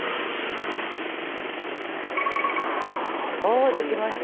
おできました。